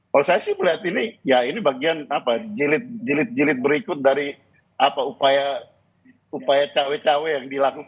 kalau saya sih melihat ini ya ini bagian apa jilid jilid berikut dari upaya upaya cewek cewek